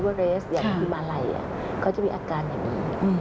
อย่างเอเวอเรสอย่างที่มาลัยเขาจะมีอาการอย่างนี้